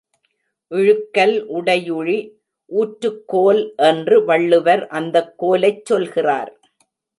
இழுக்கல் உடையுழி ஊற்றுக்கோல் என்று வள்ளுவர் அந்தக் கோலைச் சொல்கிறார்.